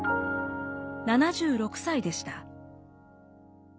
７６歳でした。